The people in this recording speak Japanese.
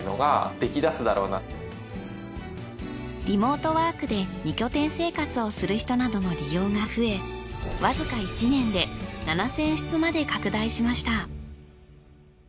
リモートワークで２拠点生活をする人などの利用が増えわずか１年で７，０００室まで拡大しました。